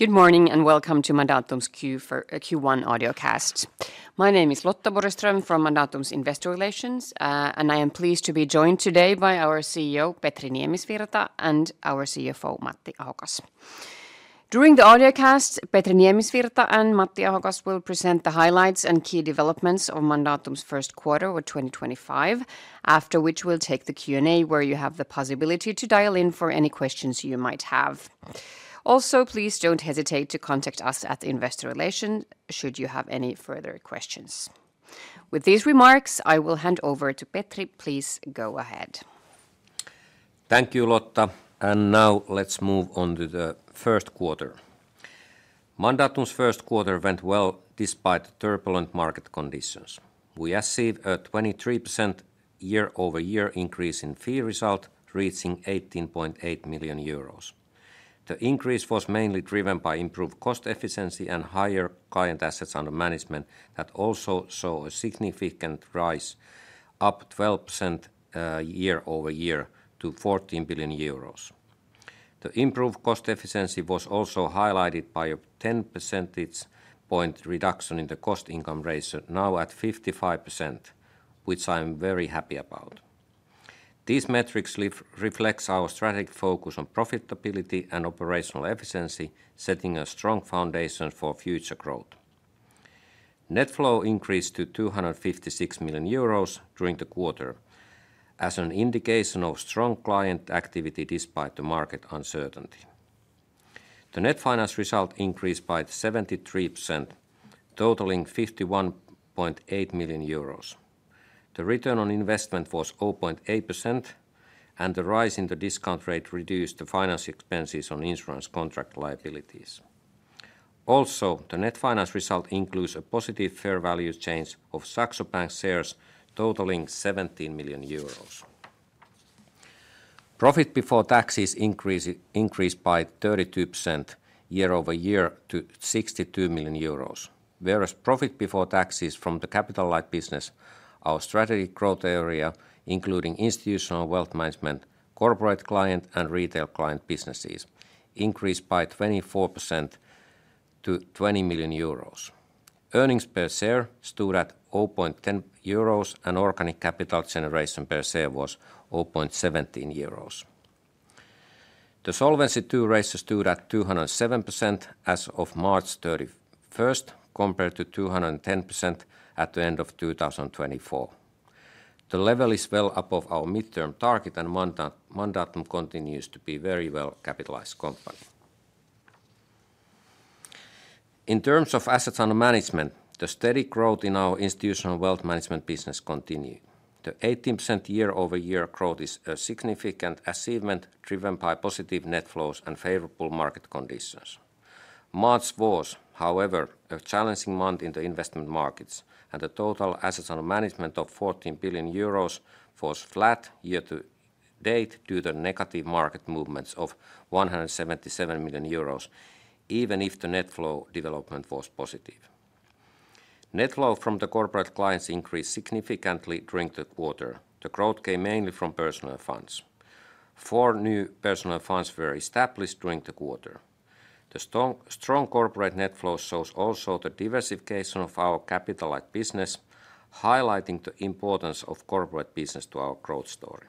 Good morning and welcome to Mandatum's Q1 audiocast. My name is Lotta Borgström from Mandatum's Investor Relations, and I am pleased to be joined today by our CEO, Petri Niemisvirta, and our CFO, Matti Ahokas. During the audiocast, Petri Niemisvirta and Matti Ahokas will present the highlights and key developments of Mandatum's first quarter of 2025, after which we'll take the Q&A where you have the possibility to dial in for any questions you might have. Also, please do not hesitate to contact us at Investor Relations should you have any further questions. With these remarks, I will hand over to Petri. Please go ahead. Thank you, Lotta. Now let's move on to the first quarter. Mandatum's first quarter went well despite turbulent market conditions. We achieved a 23% year-over-year increase in fee result, reaching 18.8 million euros. The increase was mainly driven by improved cost efficiency and higher client assets under management that also saw a significant rise, up 12% year-over-year to 14 billion euros. The improved cost efficiency was also highlighted by a 10 percentage point reduction in the cost income ratio, now at 55%, which I'm very happy about. These metrics reflect our strategic focus on profitability and operational efficiency, setting a strong foundation for future growth. Net flow increased to 256 million euros during the quarter as an indication of strong client activity despite the market uncertainty. The net finance result increased by 73%, totaling 51.8 million euros. The return on investment was 0.8%, and the rise in the discount rate reduced the finance expenses on insurance contract liabilities. Also, the net finance result includes a positive fair value change of Saxo Bank shares, totaling 17 million euros. Profit before taxes increased by 32% year-over-year to 62 million euros, whereas profit before taxes from the capital-like business, our strategic growth area, including institutional wealth management, corporate client, and retail client businesses, increased by 24% to 20 million euros. Earnings per share stood at 0.10 euros, and organic capital generation per share was 0.17 euros. The solvency ratio stood at 207% as of March 31st, compared to 210% at the end of 2024. The level is well above our midterm target, and Mandatum continues to be a very well-capitalized company. In terms of assets under management, the steady growth in our institutional wealth management business continued. The 18% year-over-year growth is a significant achievement driven by positive net flows and favorable market conditions. March was, however, a challenging month in the investment markets, and the total assets under management of 14 billion euros was flat year-to-date due to negative market movements of 177 million euros, even if the net flow development was positive. Net flow from the corporate clients increased significantly during the quarter. The growth came mainly from personal funds. Four new personal funds were established during the quarter. The strong corporate net flow shows also the diversification of our capital-like business, highlighting the importance of corporate business to our growth story.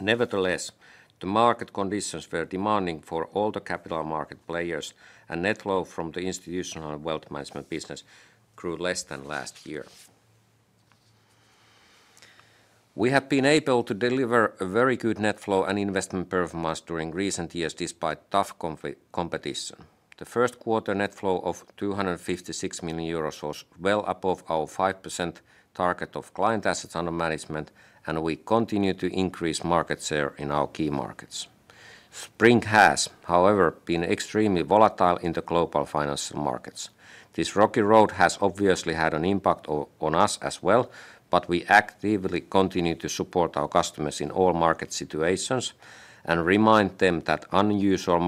Nevertheless, the market conditions were demanding for all the capital market players, and net flow from the Institutional Wealth Management business grew less than last year. We have been able to deliver a very good net flow and investment performance during recent years despite tough competition. The first quarter net flow of 256 million euros was well above our 5% target of client assets under management, and we continue to increase market share in our key markets. Spring has, however, been extremely volatile in the global financial markets. This rocky road has obviously had an impact on us as well, but we actively continue to support our customers in all market situations and remind them that unusual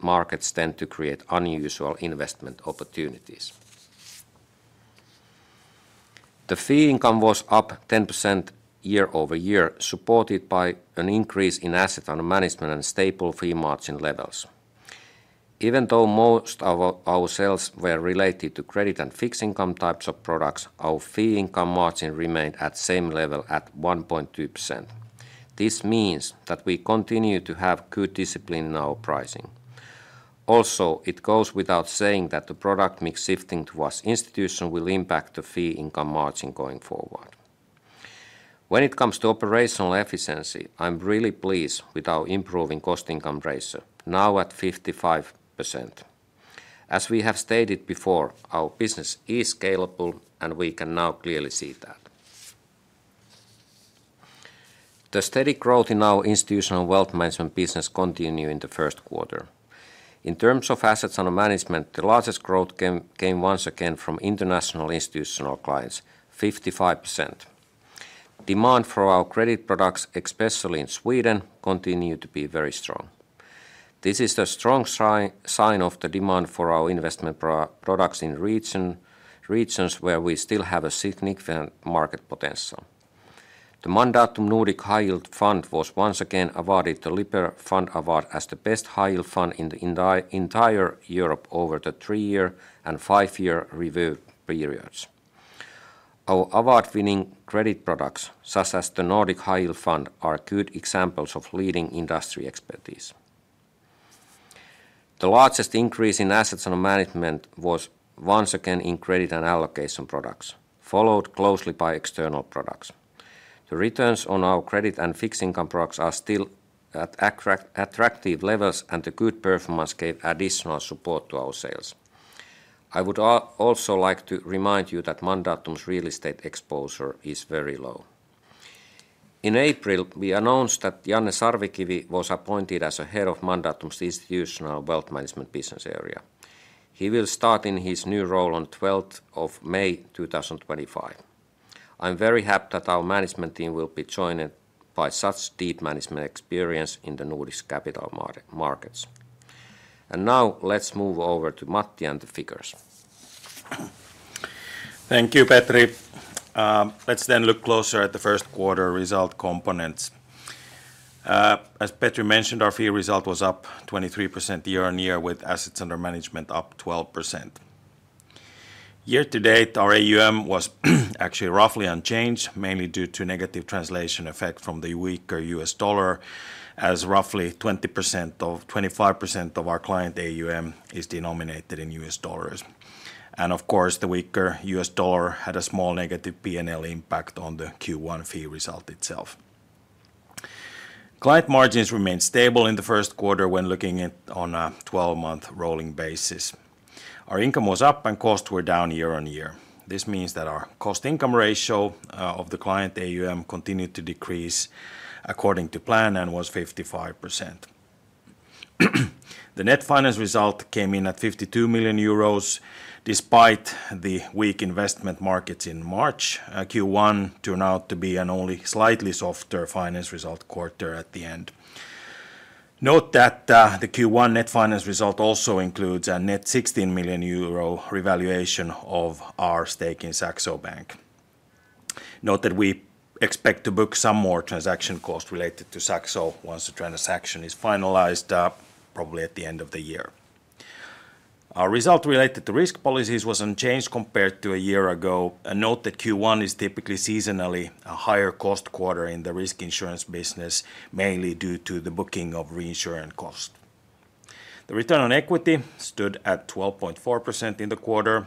markets tend to create unusual investment opportunities. The fee income was up 10% year-over-year, supported by an increase in assets under management and stable fee margin levels. Even though most of our sales were related to credit and fixed income types of products, our fee income margin remained at the same level at 1.2%. This means that we continue to have good discipline in our pricing. Also, it goes without saying that the product mix shifting to us institutionally will impact the fee income margin going forward. When it comes to operational efficiency, I'm really pleased with our improving cost income ratio, now at 55%. As we have stated before, our business is scalable, and we can now clearly see that. The steady growth in our Institutional Wealth Management business continued in the first quarter. In terms of assets under management, the largest growth came once again from international institutional clients, 55%. Demand for our credit products, especially in Sweden, continued to be very strong. This is a strong sign of the demand for our investment products in regions where we still have a significant market potential. The Mandatum Nordic High Yield Fund was once again awarded the Lipper Fund Award as the best high yield fund in the entire Europe over the three-year and five-year review periods. Our award-winning credit products, such as the Nordic High Yield Fund, are good examples of leading industry expertise. The largest increase in assets under management was once again in credit and allocation products, followed closely by external products. The returns on our credit and fixed income products are still at attractive levels, and the good performance gave additional support to our sales. I would also like to remind you that Mandatum's real estate exposure is very low. In April, we announced that Janne Sarvikivi was appointed as a head of Mandatum's Institutional Wealth Management business area. He will start in his new role on 12 May 2025. I'm very happy that our management team will be joined by such deep management experience in the Nordic capital markets. Now let's move over to Matti and the figures. Thank you, Petri. Let's then look closer at the first quarter result components. As Petri mentioned, our fee result was up 23% year-on-year, with assets under management up 12%. Year-to-date, our AUM was actually roughly unchanged, mainly due to negative translation effect from the weaker US dollar, as roughly 20% to 25% of our client AUM is denominated in US dollars. Of course, the weaker US dollar had a small negative P&L impact on the Q1 fee result itself. Client margins remained stable in the first quarter when looking at on a 12-month rolling basis. Our income was up and costs were down year-on-year. This means that our cost income ratio of the client AUM continued to decrease according to plan and was 55%. The net finance result came in at 52 million euros despite the weak investment markets in March. Q1 turned out to be an only slightly softer finance result quarter at the end. Note that the Q1 net finance result also includes a net 16 million euro revaluation of our stake in Saxo Bank. Note that we expect to book some more transaction costs related to Saxo once the transaction is finalized, probably at the end of the year. Our result related to risk policies was unchanged compared to a year ago. Note that Q1 is typically seasonally a higher cost quarter in the risk insurance business, mainly due to the booking of reinsurance costs. The return on equity stood at 12.4% in the quarter.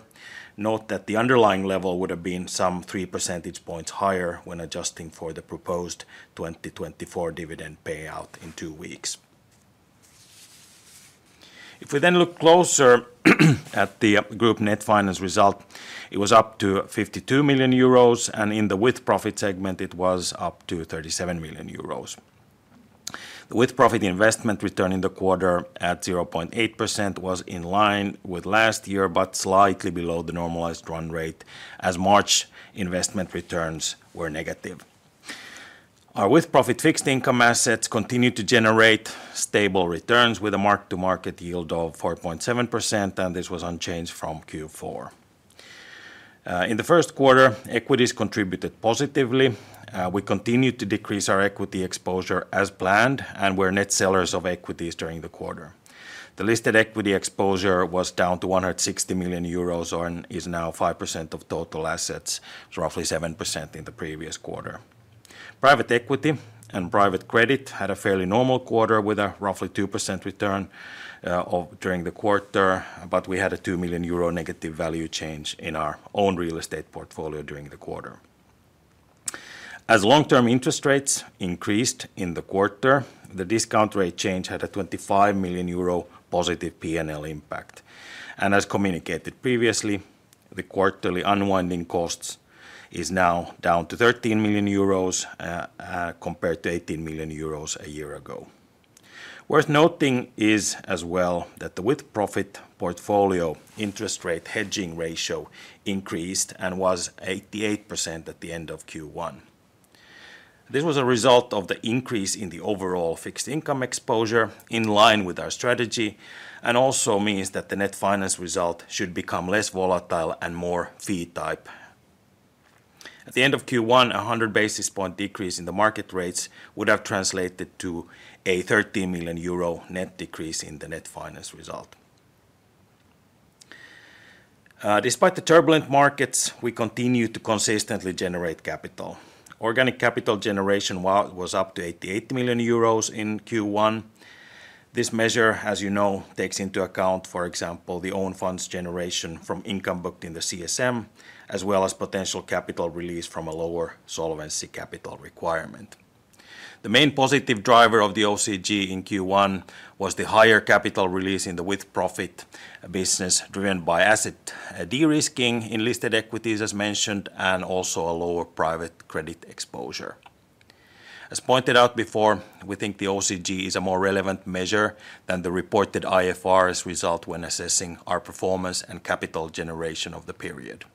Note that the underlying level would have been some 3 percentage points higher when adjusting for the proposed 2024 dividend payout in two weeks. If we then look closer at the group net finance result, it was up to 52 million euros, and in the with profit segment, it was up to 37 million euros. The with profit investment return in the quarter at 0.8% was in line with last year, but slightly below the normalized run rate as March investment returns were negative. Our with profit fixed income assets continued to generate stable returns with a mark to market yield of 4.7%, and this was unchanged from Q4. In the first quarter, equities contributed positively. We continued to decrease our equity exposure as planned and were net sellers of equities during the quarter. The listed equity exposure was down to 160 million euros and is now 5% of total assets, roughly 7% in the previous quarter. Private equity and private credit had a fairly normal quarter with a roughly 2% return during the quarter, but we had a 2 million euro negative value change in our own real estate portfolio during the quarter. As long-term interest rates increased in the quarter, the discount rate change had a 25 million euro positive P&L impact. As communicated previously, the quarterly unwinding costs is now down to 13 million euros compared to 18 million euros a year ago. Worth noting is as well that the with profit portfolio interest rate hedging ratio increased and was 88% at the end of Q1. This was a result of the increase in the overall fixed income exposure in line with our strategy and also means that the net finance result should become less volatile and more fee type. At the end of Q1, a 100 basis point decrease in the market rates would have translated to a 13 million euro net decrease in the net finance result. Despite the turbulent markets, we continue to consistently generate capital. Organic capital generation was up to 88 million euros in Q1. This measure, as you know, takes into account, for example, the own funds generation from income booked in the CSM, as well as potential capital release from a lower solvency capital requirement. The main positive driver of the OCG in Q1 was the higher capital release in the with profit business driven by asset de-risking in listed equities, as mentioned, and also a lower private credit exposure. As pointed out before, we think the OCG is a more relevant measure than the reported IFRS result when assessing our performance and capital generation of the period.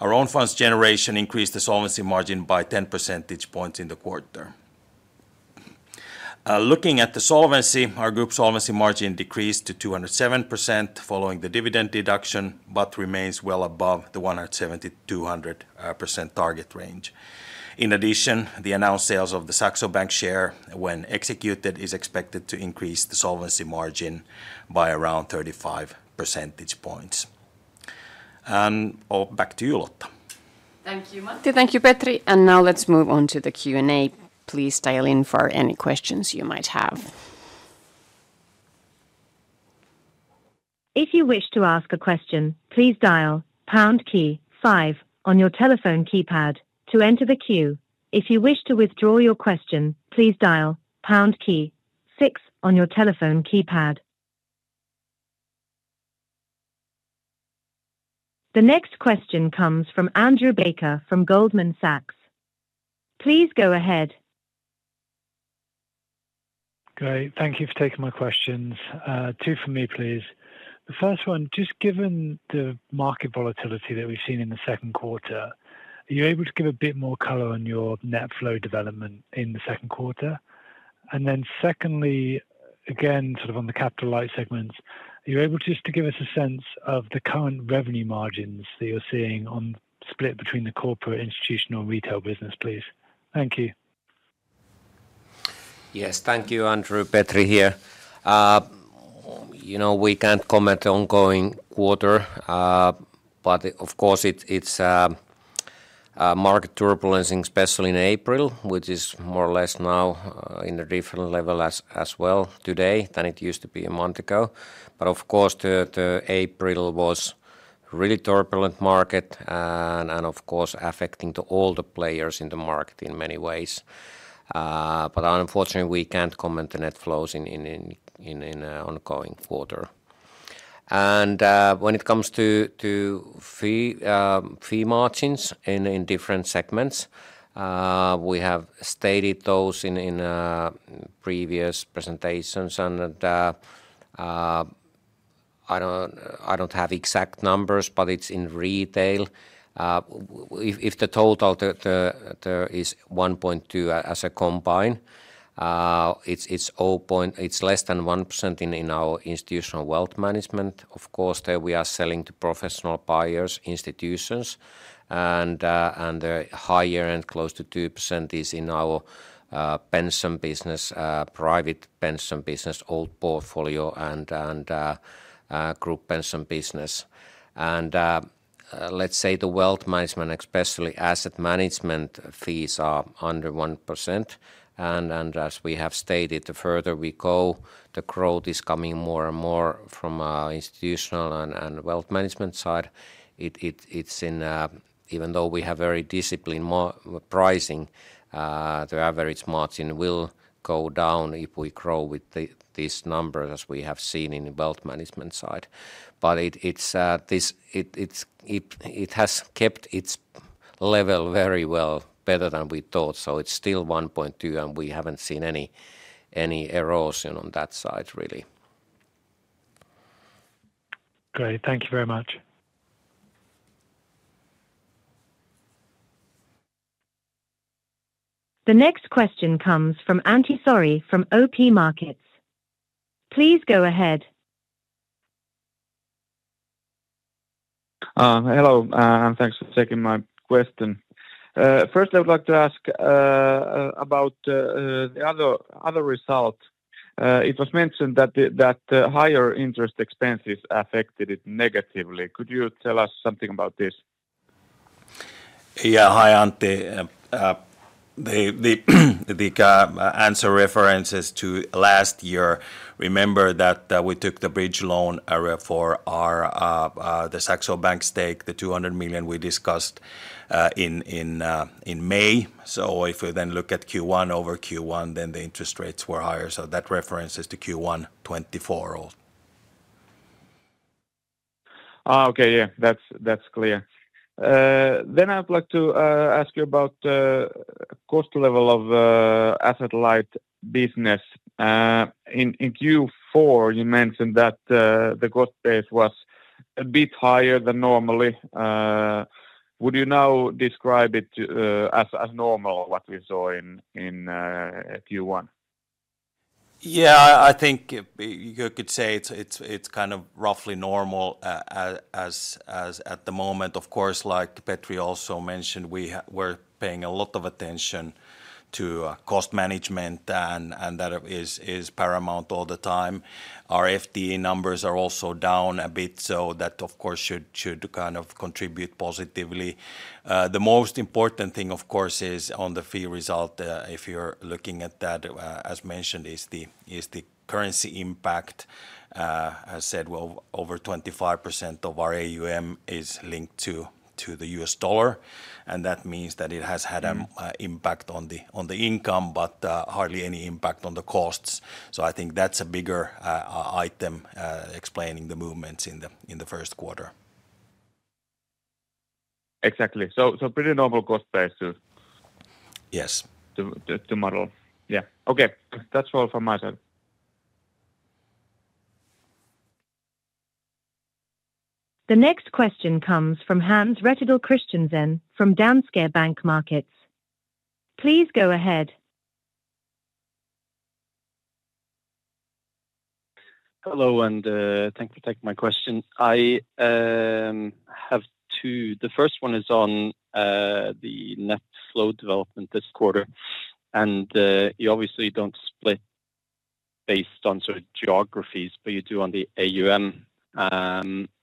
Our own funds generation increased the solvency margin by 10 percentage points in the quarter. Looking at the solvency, our group solvency margin decreased to 207% following the dividend deduction, but remains well above the 170%-200% target range. In addition, the announced sales of the Saxo Bank share when executed is expected to increase the solvency margin by around 35 percentage points. Back to you, Lotta. Thank you, Matti. Thank you, Petri. Now let's move on to the Q&A. Please dial in for any questions you might have. If you wish to ask a question, please dial pound key five on your telephone keypad to enter the queue. If you wish to withdraw your question, please dial pound key six on your telephone keypad. The next question comes from Andrew Baker from Goldman Sachs. Please go ahead. Okay, thank you for taking my questions. Two for me, please. The first one, just given the market volatility that we've seen in the second quarter, are you able to give a bit more color on your net flow development in the second quarter? Then secondly, again, sort of on the capital light segments, are you able just to give us a sense of the current revenue margins that you're seeing on split between the corporate institutional and retail business, please? Thank you. Yes, thank you, Andrew. Petri here. You know, we can't comment on ongoing quarter, but of course it's market turbulence, especially in April, which is more or less now in a different level as well today than it used to be a month ago. Of course, April was a really turbulent market and of course affecting all the players in the market in many ways. Unfortunately, we can't comment on net flows in ongoing quarter. When it comes to fee margins in different segments, we have stated those in previous presentations and I don't have exact numbers, but it's in retail. If the total is 1.2% as a combine, it's less than 1% in our institutional wealth management. Of course, there we are selling to professional buyers, institutions, and the higher end, close to 2%, is in our pension business, private pension business, old portfolio, and group pension business. The wealth management, especially asset management fees, are under 1%. As we have stated, the further we go, the growth is coming more and more from our institutional and wealth management side. Even though we have very disciplined pricing, the average margin will go down if we grow with these numbers as we have seen in the wealth management side. It has kept its level very well, better than we thought. It is still 1.2%, and we have not seen any erosion on that side, really. Great, thank you very much. The next question comes from Antti Saari from OP Markets. Please go ahead. Hello, and thanks for taking my question. First, I would like to ask about the other result. It was mentioned that higher interest expenses affected it negatively. Could you tell us something about this? Yeah, hi Antti. The answer references to last year. Remember that we took the bridge loan area for the Saxo Bank stake, the 200 million we discussed in May. If we then look at Q1 over Q1, the interest rates were higher. That references to Q1 2024. Okay, yeah, that's clear. Then I'd like to ask you about the cost level of asset light business. In Q4, you mentioned that the cost base was a bit higher than normally. Would you now describe it as normal, what we saw in Q1? Yeah, I think you could say it's kind of roughly normal at the moment. Of course, like Petri also mentioned, we were paying a lot of attention to cost management, and that is paramount all the time. Our FTE numbers are also down a bit, so that of course should kind of contribute positively. The most important thing, of course, is on the fee result, if you're looking at that, as mentioned, is the currency impact. As said, over 25% of our AUM is linked to the US dollar, and that means that it has had an impact on the income, but hardly any impact on the costs. I think that's a bigger item explaining the movements in the first quarter. Exactly, so pretty normal cost basis. Yes. To model, yeah. Okay, that's all from my side. The next question comes from Håns Rettedal Christiansen from Danske Bank Markets. Please go ahead. Hello and thanks for taking my question. I have two. The first one is on the net flow development this quarter, and you obviously do not split based on sort of geographies, but you do on the AUM.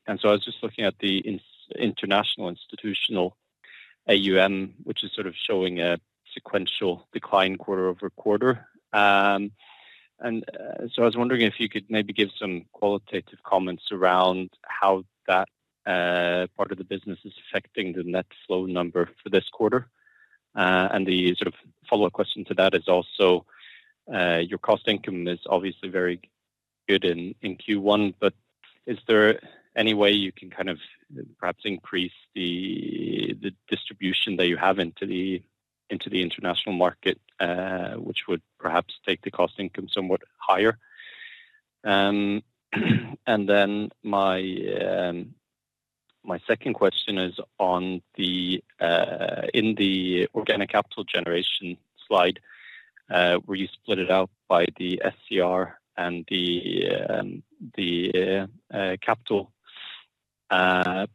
I was just looking at the international institutional AUM, which is sort of showing a sequential decline quarter-over-quarter. I was wondering if you could maybe give some qualitative comments around how that part of the business is affecting the net flow number for this quarter. The sort of follow-up question to that is also your cost income is obviously very good in Q1, but is there any way you can kind of perhaps increase the distribution that you have into the international market, which would perhaps take the cost income somewhat higher? My second question is on the organic capital generation slide, where you split it out by the SCR and the capital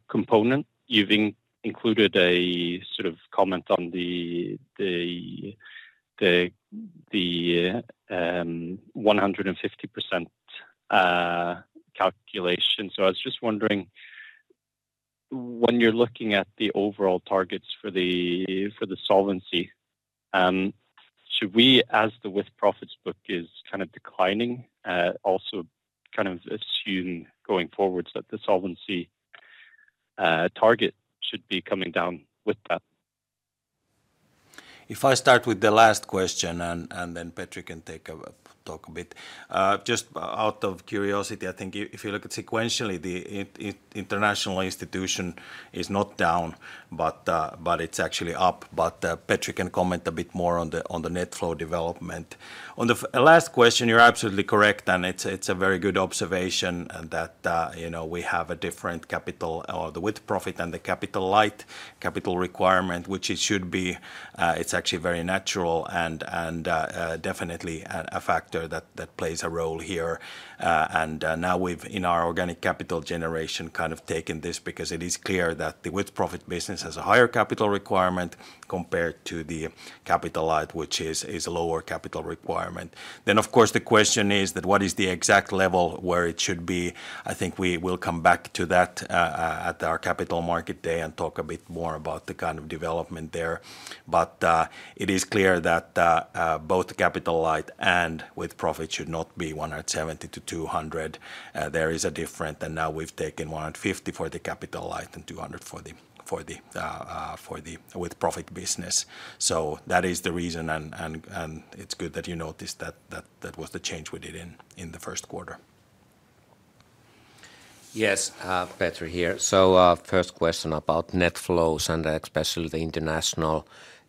component. You have included a sort of comment on the 150% calculation. I was just wondering, when you are looking at the overall targets for the solvency, should we, as the with profits book is kind of declining, also kind of assume going forward that the solvency target should be coming down with that? If I start with the last question and then Petri can talk a bit. Just out of curiosity, I think if you look at sequentially, the international institution is not down, but it's actually up. Petri can comment a bit more on the net flow development. On the last question, you're absolutely correct, and it's a very good observation that we have a different capital with profit and the capital light capital requirement, which it should be. It's actually very natural and definitely a factor that plays a role here. Now we've, in our organic capital generation, kind of taken this because it is clear that the with profit business has a higher capital requirement compared to the capital light, which is a lower capital requirement. Of course, the question is that what is the exact level where it should be? I think we will come back to that at our capital market day and talk a bit more about the kind of development there. It is clear that both capital-light and with-profit should not be 170 million-200 million. There is a difference, and now we've taken 150 million for the capital-light and 200 million for the with-profit business. That is the reason, and it's good that you noticed that that was the change we did in the first quarter. Yes, Petri here. First question about net flows and especially the international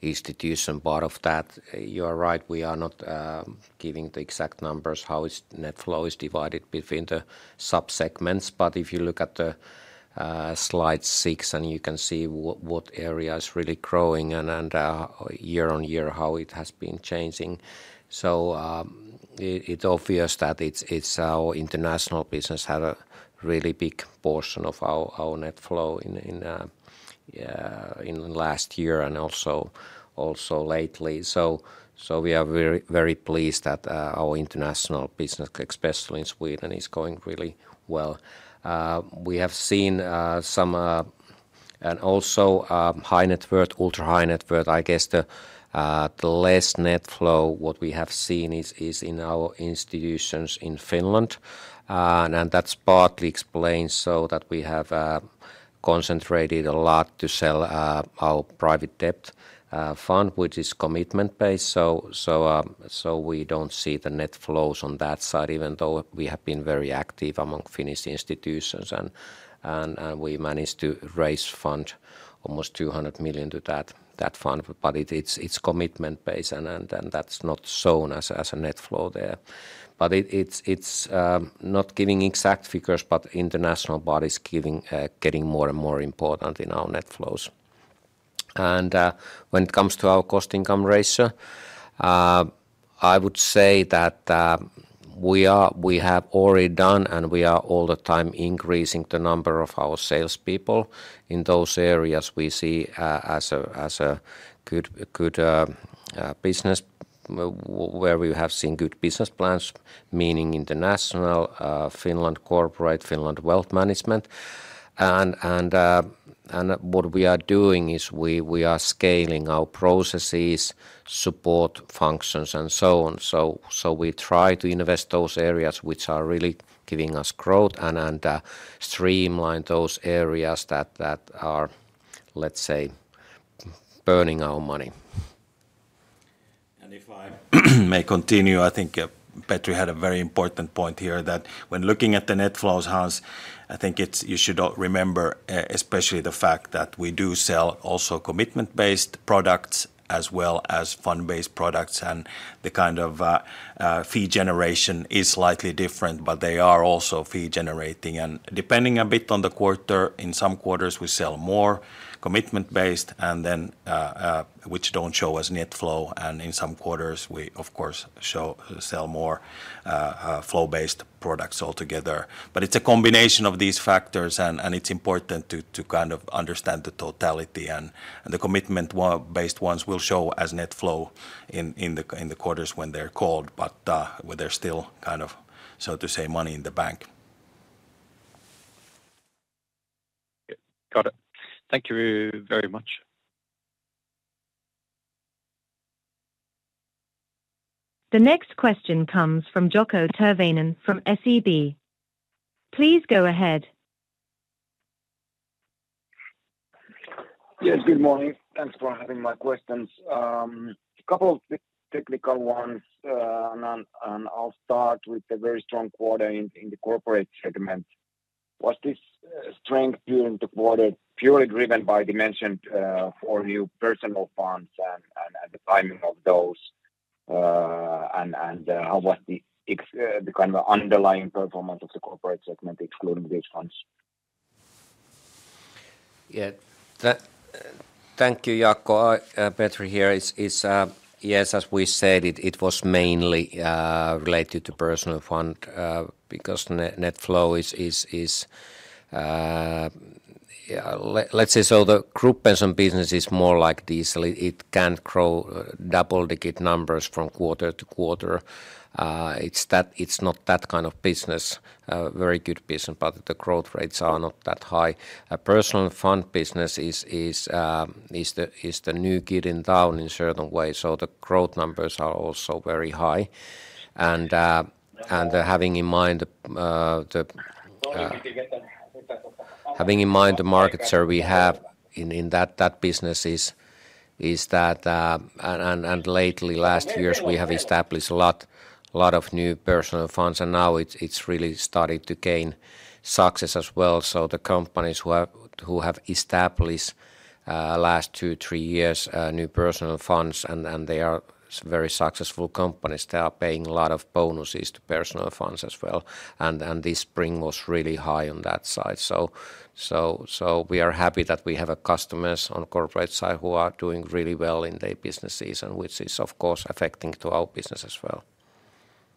institution part of that. You are right, we are not giving the exact numbers how net flow is divided between the subsegments, but if you look at slide six you can see what area is really growing and year-on-year how it has been changing. It's obvious that our international business had a really big portion of our net flow in the last year and also lately. We are very pleased that our international business, especially in Sweden, is going really well. We have seen some and also high net worth, ultra-high net worth, I guess the less net flow what we have seen is in our institutions in Finland. That's partly explained so that we have concentrated a lot to sell our private debt fund, which is commitment based. We do not see the net flows on that side, even though we have been very active among Finnish institutions and we managed to raise almost 200 million to that fund, but it's commitment based and that's not shown as a net flow there. It is not giving exact figures, but international bodies are getting more and more important in our net flows. When it comes to our cost income ratio, I would say that we have already done and we are all the time increasing the number of our salespeople in those areas we see as a good business where we have seen good business plans, meaning international, Finland corporate, Finland wealth management. What we are doing is we are scaling our processes, support functions, and so on. We try to invest in those areas which are really giving us growth and streamline those areas that are, let's say, burning our money. If I may continue, I think Petri had a very important point here that when looking at the net flows, Hans, I think you should remember especially the fact that we do sell also commitment-based products as well as fund-based products and the kind of fee generation is slightly different, but they are also fee generating and depending a bit on the quarter. In some quarters we sell more commitment-based and then which do not show as net flow. In some quarters we, of course, sell more flow-based products altogether. It is a combination of these factors and it is important to kind of understand the totality and the commitment-based ones will show as net flow in the quarters when they are called, but they are still kind of, so to say, money in the bank. Got it. Thank you very much. The next question comes from Jaakko Tyrväinen from SEB. Please go ahead. Yes, good morning. Thanks for having my questions. A couple of technical ones, and I'll start with the very strong quarter in the corporate segment. Was this strength during the quarter purely driven by, you mentioned, four new personal funds and the timing of those? How was the kind of underlying performance of the corporate segment, excluding these funds? Yeah, thank you, Jaakko. Petri here is, yes, as we said, it was mainly related to personal fund because net flow is, let's say, so the group pension business is more like this. It can't grow double-digit numbers from quarter to quarter. It's not that kind of business, very good business, but the growth rates are not that high. Personal fund business is the new getting down in certain ways, so the growth numbers are also very high. Having in mind the market share we have in that business is that, and lately last years we have established a lot of new personal funds, and now it's really started to gain success as well. The companies who have established last two, three years new personal funds, and they are very successful companies, they are paying a lot of bonuses to personal funds as well. This spring was really high on that side. We are happy that we have customers on the corporate side who are doing really well in their businesses, which is, of course, affecting our business as well.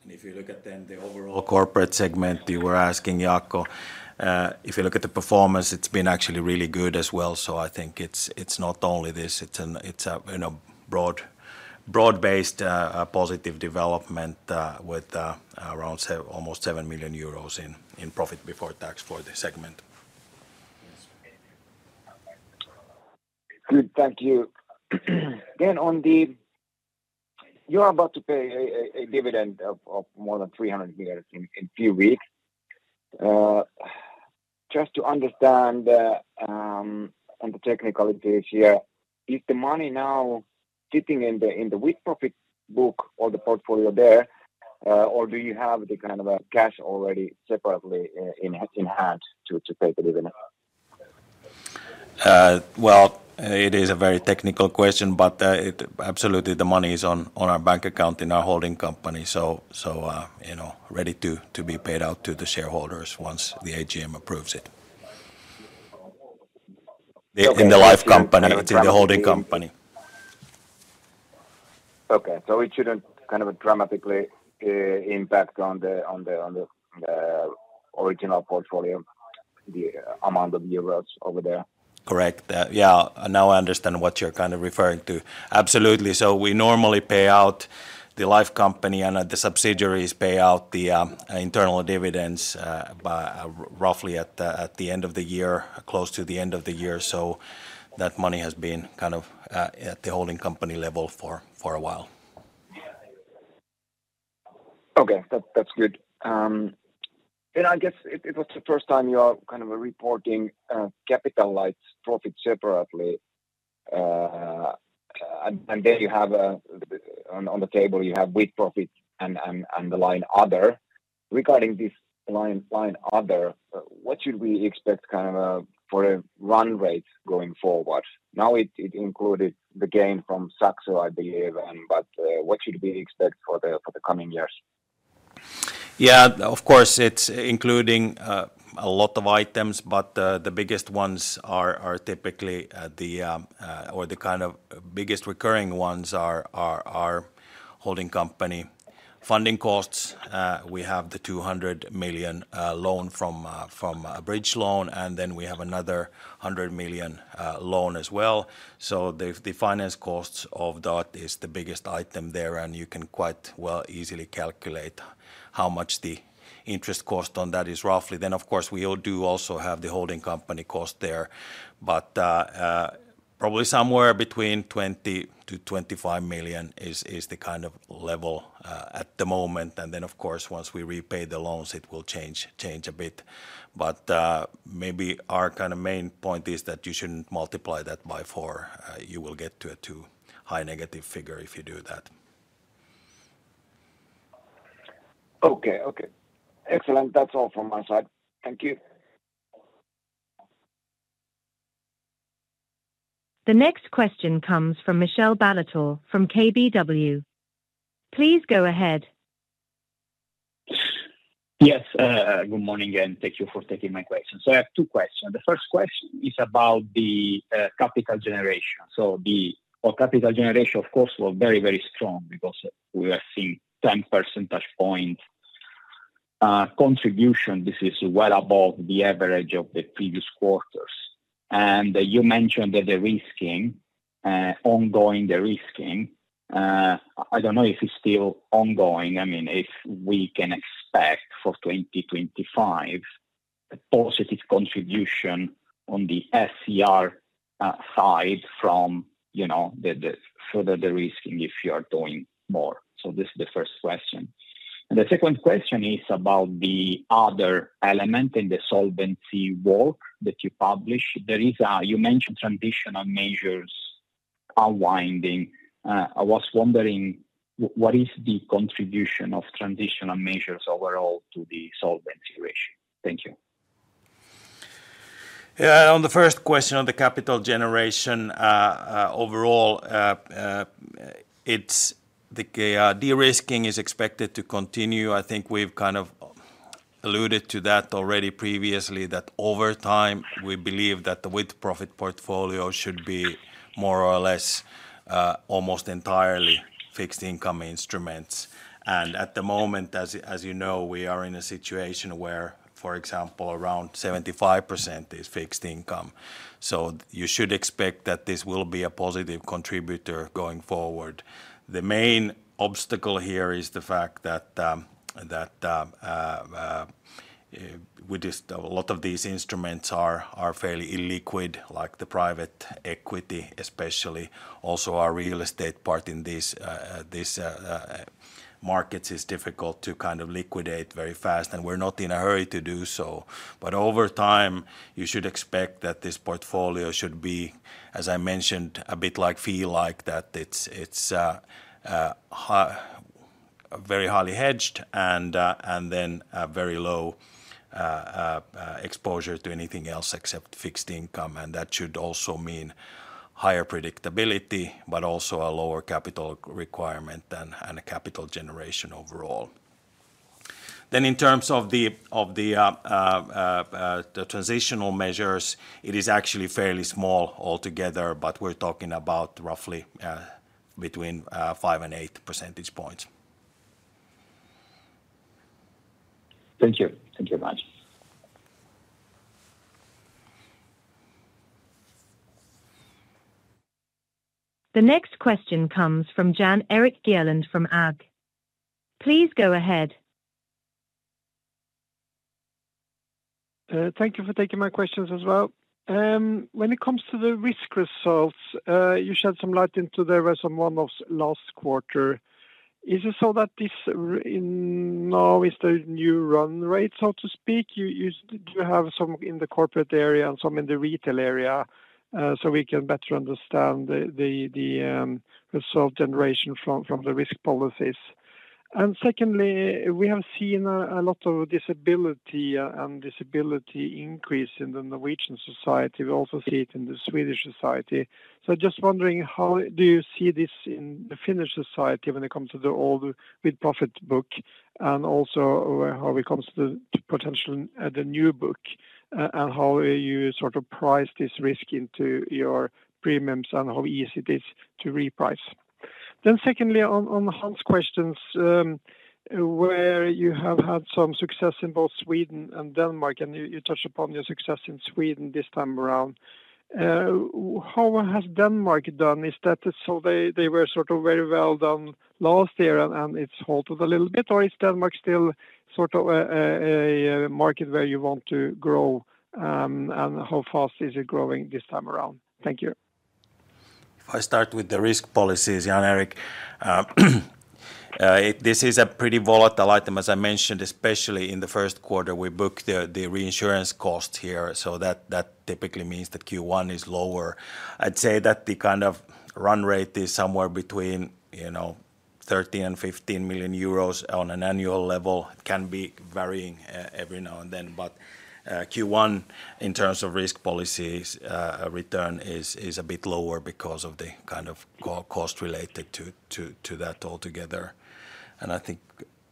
If you look at the overall corporate segment, you were asking Jaakko, if you look at the performance, it has been actually really good as well. I think it is not only this, it is a broad-based positive development with around almost 7 million euros in profit before tax for the segment. Good, thank you. On the, you're about to pay a dividend of more than 300 million in a few weeks. Just to understand on the technicalities here, is the money now sitting in the with profit book or the portfolio there, or do you have the kind of cash already separately in hand to pay the dividend? It is a very technical question, but absolutely the money is on our bank account in our holding company, so ready to be paid out to the shareholders once the AGM approves it. In the life company, it is in the holding company. Okay, so it shouldn't kind of dramatically impact on the original portfolio, the amount of euros over there? Correct, yeah. Now I understand what you're kind of referring to. Absolutely. We normally pay out the life company and the subsidiaries pay out the internal dividends roughly at the end of the year, close to the end of the year. That money has been kind of at the holding company level for a while. Okay, that's good. I guess it was the first time you are kind of reporting capital light profit separately. Then you have on the table, you have with profit and the line other. Regarding this line other, what should we expect kind of for a run rate going forward? Now it included the gain from Saxo, I believe, but what should we expect for the coming years? Yeah, of course, it's including a lot of items, but the biggest ones are typically the, or the kind of biggest recurring ones are holding company funding costs. We have the 200 million loan from a bridge loan, and then we have another 100 million loan as well. So the finance costs of that is the biggest item there, and you can quite well easily calculate how much the interest cost on that is roughly. Then, of course, we do also have the holding company cost there, but probably somewhere between 20 million-25 million is the kind of level at the moment. Of course, once we repay the loans, it will change a bit. Maybe our kind of main point is that you shouldn't multiply that by four. You will get to a too high negative figure if you do that. Okay, okay. Excellent. That's all from my side. Thank you. The next question comes from Michele Ballatore from KBW. Please go ahead. Yes, good morning and thank you for taking my question. I have two questions. The first question is about the capital generation. The capital generation, of course, was very, very strong because we are seeing a 10 percentage point contribution. This is well above the average of the previous quarters. You mentioned that the de-risking, ongoing de-risking, I do not know if it is still ongoing. I mean, if we can expect for 2025 a positive contribution on the SCR side from further de-risking if you are doing more. This is the first question. The second question is about the other element in the solvency work that you published. You mentioned transitional measures unwinding. I was wondering what is the contribution of transitional measures overall to the solvency ratio? Thank you. Yeah, on the first question on the capital generation overall, it's the de-risking is expected to continue. I think we've kind of alluded to that already previously that over time we believe that the with profit portfolio should be more or less almost entirely fixed income instruments. At the moment, as you know, we are in a situation where, for example, around 75% is fixed income. You should expect that this will be a positive contributor going forward. The main obstacle here is the fact that a lot of these instruments are fairly illiquid, like the private equity especially. Also, our real estate part in these markets is difficult to kind of liquidate very fast, and we're not in a hurry to do so. Over time, you should expect that this portfolio should be, as I mentioned, a bit like feel like that it's very highly hedged and then very low exposure to anything else except fixed income. That should also mean higher predictability, but also a lower capital requirement and capital generation overall. In terms of the transitional measures, it is actually fairly small altogether, but we're talking about roughly between 5 and 8 percentage points. Thank you. Thank you very much. The next question comes from Jan Erik Gjerland from ABG. Please go ahead. Thank you for taking my questions as well. When it comes to the risk results, you shed some light into there was on one of last quarter. Is it so that this now is the new run rate, so to speak? You have some in the corporate area and some in the retail area so we can better understand the result generation from the risk policies. Secondly, we have seen a lot of disability and disability increase in the Norwegian society. We also see it in the Swedish society. Just wondering, how do you see this in the Finnish society when it comes to the old with profit book and also how it comes to potential the new book and how you sort of price this risk into your premiums and how easy it is to reprice? Secondly, on Hans' questions, where you have had some success in both Sweden and Denmark, and you touched upon your success in Sweden this time around, how has Denmark done? Is that so they were sort of very well done last year and it has halted a little bit, or is Denmark still sort of a market where you want to grow, and how fast is it growing this time around? Thank you. If I start with the risk policies, Jan Erik, this is a pretty volatile item, as I mentioned, especially in the first quarter we booked the reinsurance cost here. That typically means that Q1 is lower. I'd say that the kind of run rate is somewhere between 13 million-15 million euros on an annual level. It can be varying every now and then, but Q1 in terms of risk policy return is a bit lower because of the kind of cost related to that altogether. I think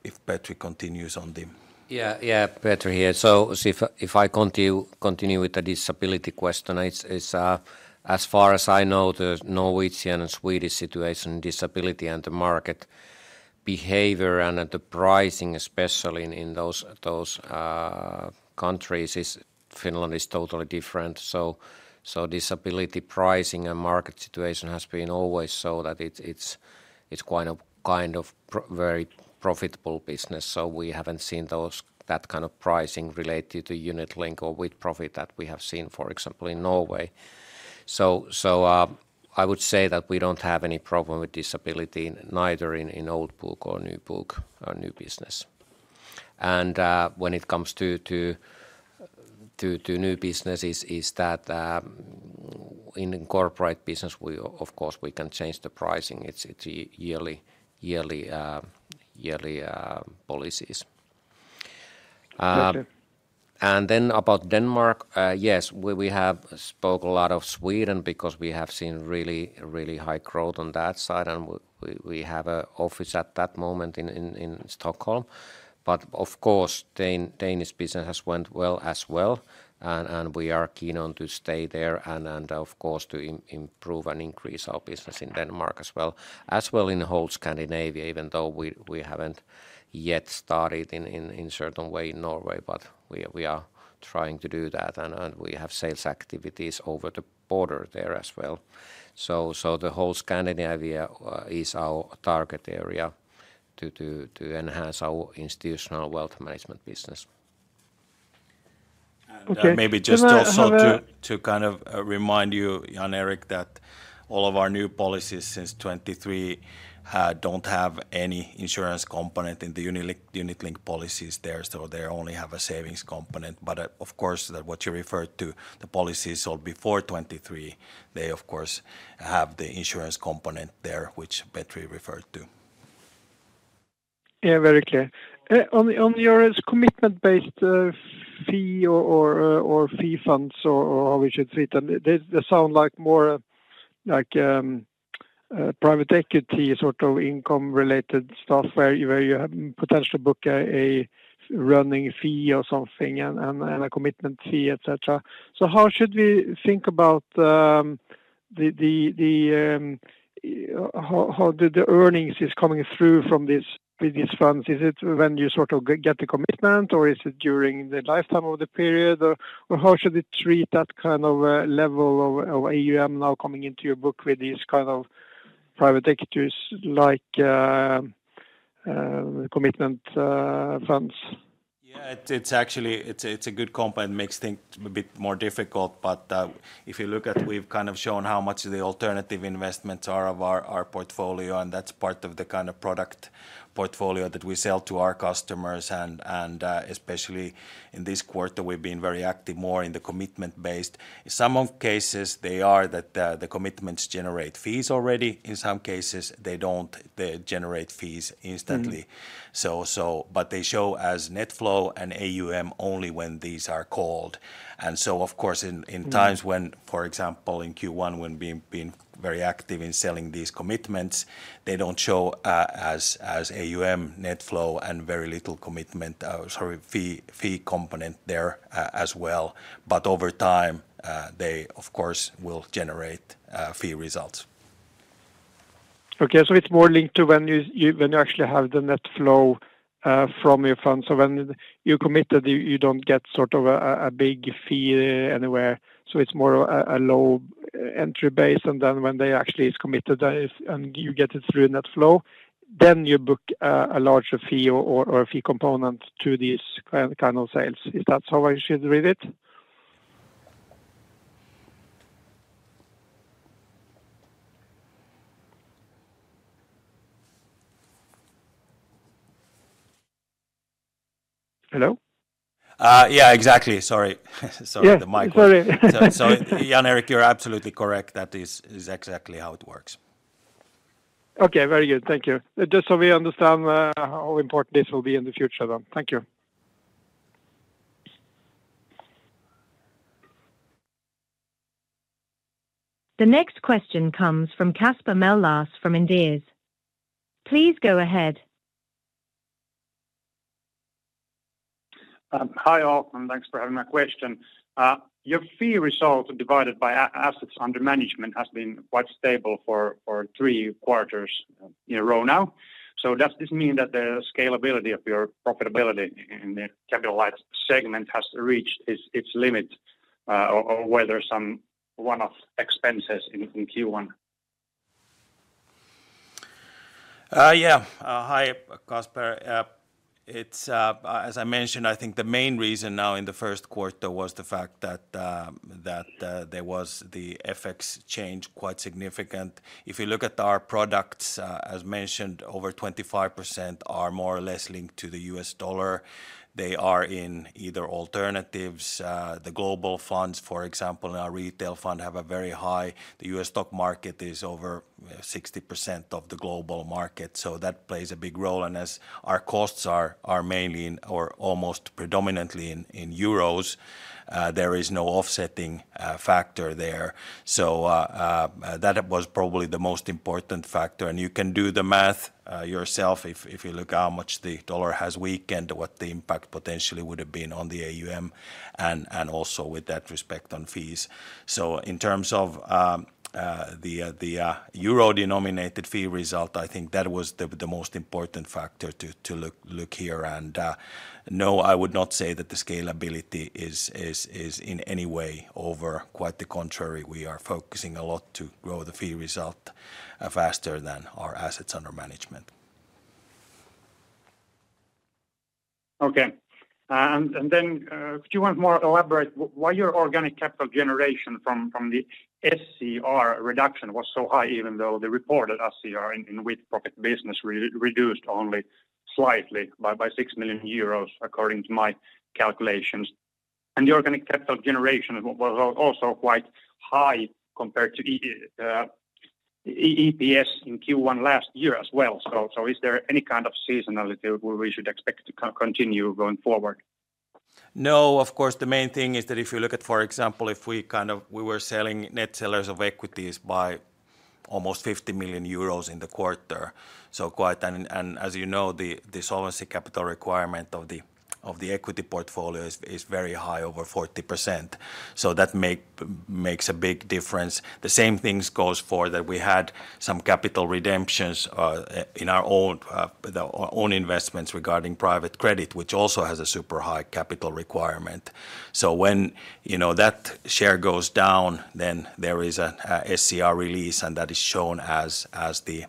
if Petri continues on the— yeah, yeah, Petri here. If I continue with the disability question, as far as I know, the Norwegian and Swedish situation, disability and the market behavior and the pricing, especially in those countries, Finland is totally different. Disability pricing and market situation has been always so that it's quite a kind of very profitable business. We haven't seen that kind of pricing related to unit link or with profit that we have seen, for example, in Norway. I would say that we don't have any problem with disability, neither in old book or new book or new business. When it comes to new businesses, in corporate business, of course, we can change the pricing. It's yearly policies. About Denmark, yes, we have spoke a lot of Sweden because we have seen really, really high growth on that side, and we have an office at that moment in Stockholm. Of course, Danish business has went well as well, and we are keen on to stay there and, of course, to improve and increase our business in Denmark as well. As well in the whole Scandinavia, even though we have not yet started in certain way in Norway, but we are trying to do that, and we have sales activities over the border there as well. The whole Scandinavia is our target area to enhance our Institutional Wealth Management business. Maybe just also to kind of remind you, Jan Erik, that all of our new policies since 2023 do not have any insurance component in the unit link policies there, so they only have a savings component. Of course, what you referred to, the policies sold before 2023, they of course have the insurance component there, which Petri referred to. Yeah, very clear. On your commitment-based fee or fee funds, or how we should treat them, they sound more like private equity sort of income-related stuff where you have potential to book a running fee or something and a commitment fee, etc. How should we think about how the earnings is coming through from these funds? Is it when you sort of get the commitment, or is it during the lifetime of the period? How should we treat that kind of level of AUM now coming into your book with these kind of private equity-like commitment funds? Yeah, it's actually a good compound mixed thing to be a bit more difficult, but if you look at, we've kind of shown how much the alternative investments are of our portfolio, and that's part of the kind of product portfolio that we sell to our customers. Especially in this quarter, we've been very active more in the commitment-based. In some cases, they are that the commitments generate fees already. In some cases, they don't generate fees instantly. They show as net flow and AUM only when these are called. Of course, in times when, for example, in Q1, when we've been very active in selling these commitments, they don't show as AUM, net flow, and very little commitment, sorry, fee component there as well. Over time, they, of course, will generate fee results. Okay, so it's more linked to when you actually have the net flow from your fund. When you commit that, you don't get sort of a big fee anywhere, so it's more of a low entry base. Then when they actually is committed and you get it through net flow, you book a larger fee or a fee component to these kind of sales. Is that how I should read it? Hello? Yeah, exactly. Sorry. Sorry, the mic. Yeah, sorry. Jan-Erik, you're absolutely correct. That is exactly how it works. Okay, very good. Thank you. Just so we understand how important this will be in the future then. Thank you. The next question comes from Kasper Mellas from Inderes. Please go ahead. Hi all, and thanks for having my question. Your fee result divided by assets under management has been quite stable for three quarters in a row now. Does this mean that the scalability of your profitability in the capital-like segment has reached its limit or were there some one-off expenses in Q1? Yeah, hi, Kasper. As I mentioned, I think the main reason now in the first quarter was the fact that there was the FX change quite significant. If you look at our products, as mentioned, over 25% are more or less linked to the US dollar. They are in either alternatives. The global funds, for example, in our retail fund have a very high, the U.S. stock market is over 60% of the global market. That plays a big role. As our costs are mainly or almost predominantly in euros, there is no offsetting factor there. That was probably the most important factor. You can do the math yourself if you look at how much the dollar has weakened, what the impact potentially would have been on the AUM, and also with that respect on fees. In terms of the euro denominated fee result, I think that was the most important factor to look here. No, I would not say that the scalability is in any way over. Quite the contrary, we are focusing a lot to grow the fee result faster than our assets under management. Okay. Could you want more elaborate why your organic capital generation from the SCR reduction was so high, even though the reported SCR in with profit business reduced only slightly by 6 million euros according to my calculations? The organic capital generation was also quite high compared to EPS in Q1 last year as well. Is there any kind of seasonality where we should expect to continue going forward? No, of course, the main thing is that if you look at, for example, if we kind of we were selling net sellers of equities by almost 50 million euros in the quarter. Quite, and as you know, the solvency capital requirement of the equity portfolio is very high, over 40%. That makes a big difference. The same thing goes for that we had some capital redemptions in our own investments regarding private credit, which also has a super high capital requirement. When that share goes down, then there is an SCR release, and that is shown as the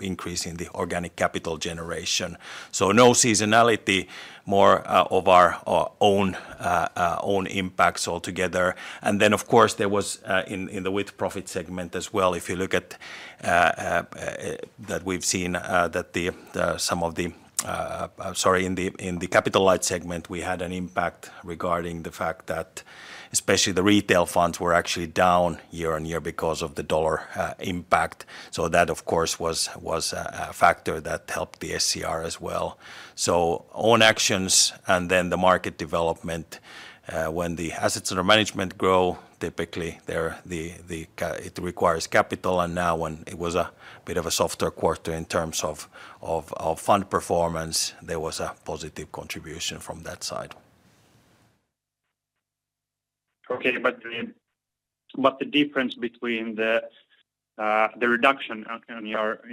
increase in the organic capital generation. No seasonality, more of our own impacts altogether. Of course, there was in the with profit segment as well, if you look at that, we've seen that some of the, sorry, in the capital-like segment, we had an impact regarding the fact that especially the retail funds were actually down year on year because of the dollar impact. That, of course, was a factor that helped the SCR as well. Own actions and then the market development, when the assets under management grow, typically it requires capital. Now, when it was a bit of a softer quarter in terms of fund performance, there was a positive contribution from that side. Okay, but the difference between the reduction in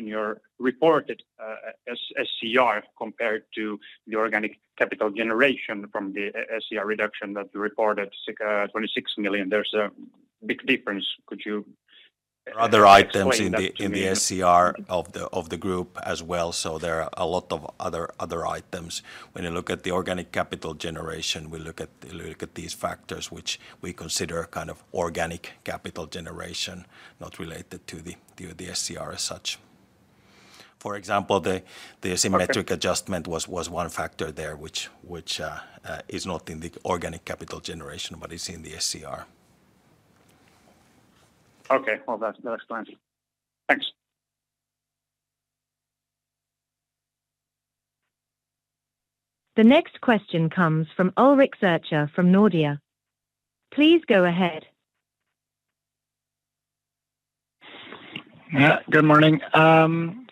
your reported SCR compared to the organic capital generation from the SCR reduction that you reported, 26 million, there's a big difference. Could you explain that? Other items in the SCR of the group as well. There are a lot of other items. When you look at the organic capital generation, we look at these factors, which we consider kind of organic capital generation, not related to the SCR as such. For example, the symmetric adjustment was one factor there, which is not in the organic capital generation, but it is in the SCR. Okay, that explains it. Thanks. The next question comes from Ulrik Zurcher from Nordea. Please go ahead. Good morning.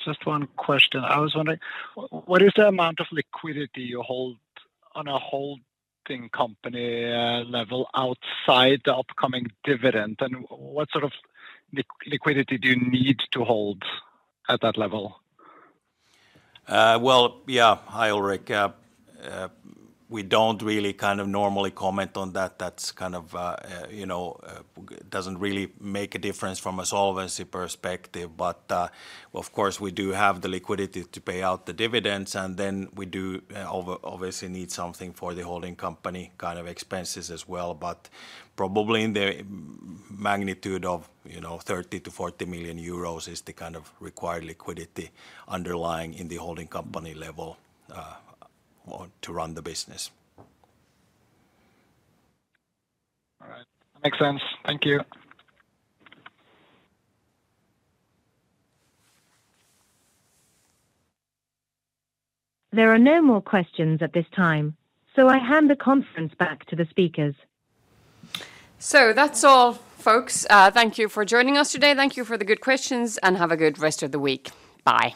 Just one question. I was wondering, what is the amount of liquidity you hold on a holding company level outside the upcoming dividend? And what sort of liquidity do you need to hold at that level? Yeah, hi Ulrik. We do not really kind of normally comment on that. That kind of does not really make a difference from a solvency perspective. Of course, we do have the liquidity to pay out the dividends. We do obviously need something for the holding company kind of expenses as well. Probably in the magnitude of 30 million-40 million euros is the kind of required liquidity underlying in the holding company level to run the business. All right. That makes sense. Thank you. There are no more questions at this time, so I hand the conference back to the speakers. That's all, folks. Thank you for joining us today. Thank you for the good questions, and have a good rest of the week. Bye.